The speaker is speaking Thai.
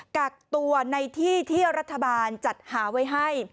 กักตัวในที่ที่รัฐบาลจัดหาไว้ให้